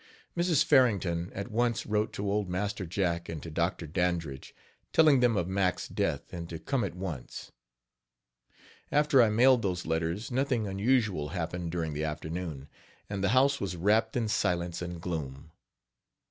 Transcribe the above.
Mrs. Farrington at once wrote to old Master Jack and to Dr. Dandridge, telling them of Mack's death and to come at once. After I mailed those letters nothing unusual happened during the afternoon, and the house was wrapped in silence and gloom.